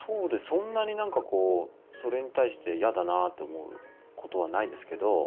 そんなにそれに対して嫌だなと思うことはないんですけど。